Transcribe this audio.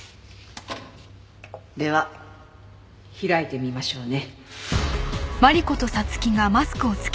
では開いてみましょうね。